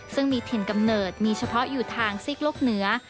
ซึ่งมีถิ่นกำเนิดมีเฉพาะอยู่ทางซีกโลกเหนือ